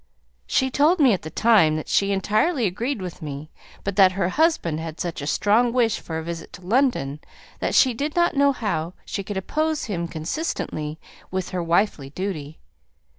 She told me at the time that she entirely agreed with me, but that her husband had such a strong wish for a visit to London, that she did not know how she could oppose him consistently with her wifely duty.